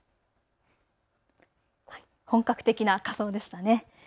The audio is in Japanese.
本格的な仮装でしたね。